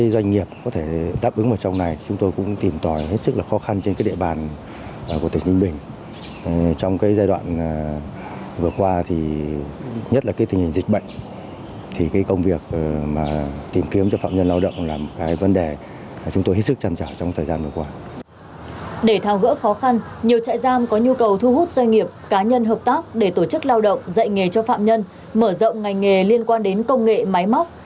để thao gỡ khó khăn nhiều trại giam có nhu cầu thu hút doanh nghiệp cá nhân hợp tác để tổ chức lao động dạy nghề cho phạm nhân mở rộng ngành nghề liên quan đến công nghệ máy móc